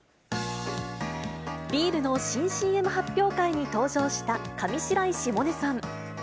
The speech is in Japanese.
ビールの新ＣＭ発表会に登場した上白石萌音さん。